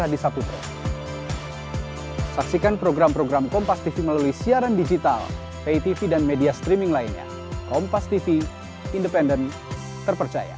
dia bakal yang dihentikan dulu